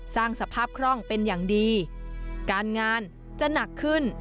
สร้างสภาพคล่องเป็นอย่างดีการงานจะหนักขึ้น